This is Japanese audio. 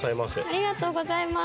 ありがとうございます。